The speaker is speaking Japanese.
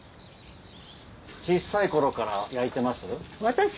小っさい頃から焼いてます？